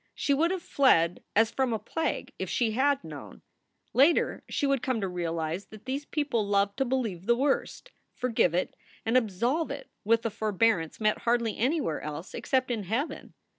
She would have fled as from a plague if she had known. Later she would come to realize that these people loved to believe the worst, forgive it, and absolve it with a for bearance met hardly anywhere else except in heaven.